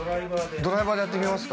◆ドライバーでやってみますか。